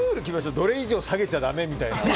これ以上下げちゃだめみたいな。